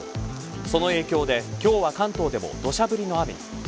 その影響で今日は関東でも土砂降りの雨に。